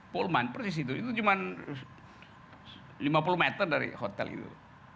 polman persis itu itu cuma lima puluh meter dari hotel itu